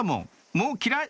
「もう嫌い！